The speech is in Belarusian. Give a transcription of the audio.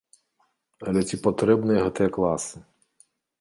Але ці патрэбныя гэтыя класы?